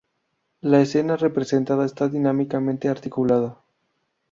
La escena representada está dinámicamente articulada.